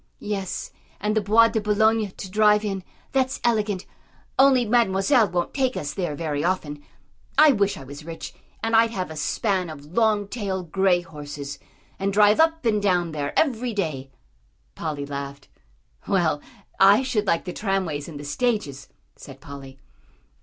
"Yes, and the Bois de Boulogne to drive in, that's elegant. Only Mademoiselle won't take us there very often. I wish I was rich, and I'd have a span of long tailed, grey horses, and drive up and down there every day." Polly laughed. "Well, I should like the tram ways and the stages," said Polly.